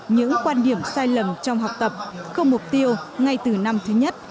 những quan điểm sai lầm trong học tập không mục tiêu ngay từ năm thứ nhất